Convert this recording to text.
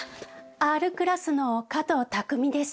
Ｒクラスの加藤匠です。